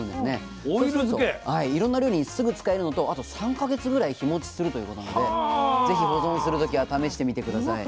そうするといろんな料理にすぐ使えるのとあと３か月ぐらい日もちするということなんでぜひ保存する時は試してみて下さい。